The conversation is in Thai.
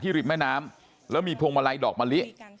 ริมแม่น้ำแล้วมีพวงมาลัยดอกมะลิ